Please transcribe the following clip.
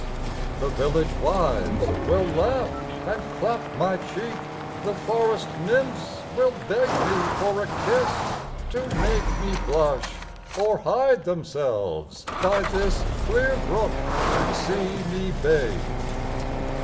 The village wives will laugh and clap my cheek; The forest nymphs will beg me for a kiss, To make me blush, or hide themselves by this Clear brook to see me bathe.